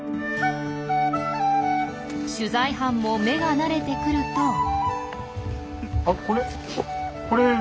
取材班も目が慣れてくると。